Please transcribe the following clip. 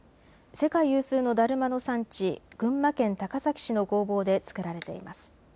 世界有数のだるまの産地、群馬県高崎市の工房で作られています。